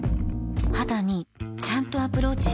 肌にちゃんとアプローチしてる感覚